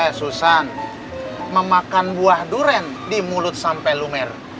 saya susan memakan buah durian di mulut sampai lumer